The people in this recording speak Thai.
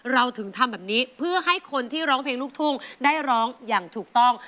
เราถึงทำแบบนี้เพื่อให้คนที่ร้องเพลงลูกทุ่งได้ร้องอย่างถูกต้อง